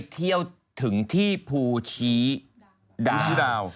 ที่ภูชีดาว